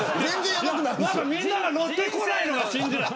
みんながのってこないのが信じられない。